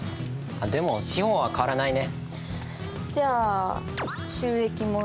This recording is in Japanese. でも資本は変わらないね。